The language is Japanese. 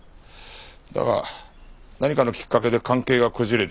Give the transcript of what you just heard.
だが何かのきっかけで関係がこじれて。